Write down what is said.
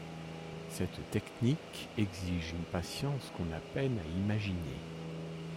Cette technique exige une patience qu'on a peine à imaginer.